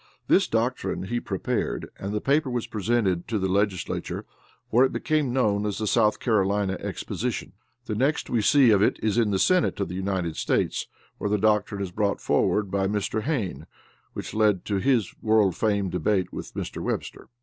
This doctrine he prepared, and the paper was presented to the legislature where it became known as the South Carolina Exposition. The next we see of it is in the Senate of the United States, where the doctrine is brought forward by Mr. Hayne, which led to his world famed debate with Mr. Webster.